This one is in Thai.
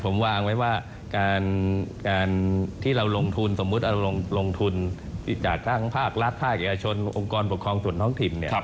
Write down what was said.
ผมว่าที่เราลงทุนสมมุสร์เราลงทุนจากภาพลาดภาคเอกชนองค์ประคองส่วนท้องทิม